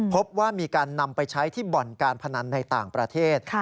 พบว่ามีการนำไปใช้ที่บ่อนการพนันในต่างประเทศ